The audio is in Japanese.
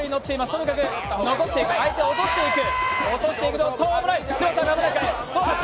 とにかく残っていく、相手を落としていく。